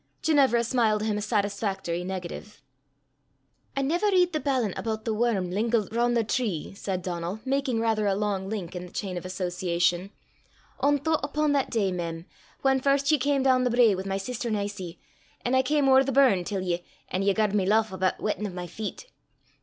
Ginevra smiled him a satisfactory negative. "I never read the ballant aboot the worm lingelt roon' the tree," said Donal, making rather a long link in the chain of association, "ohn thoucht upo' that day, mem, whan first ye cam doon the brae wi' my sister Nicie, an' I cam ower the burn till ye, an' ye garred me lauch aboot weetin' o' my feet!